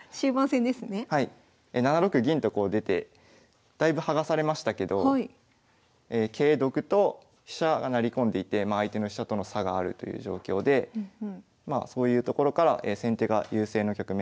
７六銀とこう出てだいぶ剥がされましたけど桂得と飛車が成り込んでいて相手の飛車との差があるという状況でまあそういうところから先手が優勢の局面になっています。